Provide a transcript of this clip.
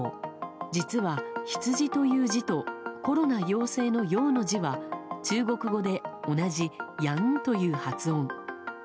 実は「羊」という字とコロナ陽性の「陽」の字は中国語で、同じ「ヤン」という発音。